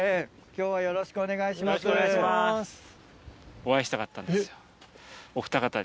よろしくお願いします。